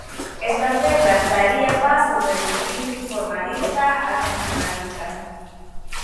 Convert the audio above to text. Estas reglas daría paso del espíritu formalista al funcionalista.